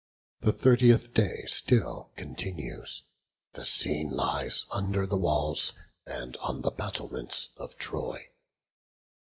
The thirtieth day still continues. The scene lies under the walls, and on the battlements of Troy.